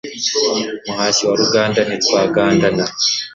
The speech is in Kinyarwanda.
Muhashyi wa Ruganda ntitwagandana